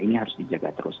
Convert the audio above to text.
ini harus dijaga terus